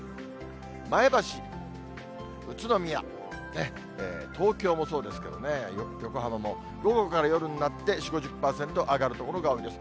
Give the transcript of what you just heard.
前橋、宇都宮、東京もそうですけどね、横浜も、午後から夜になって４、５０％、上がる所が多いです。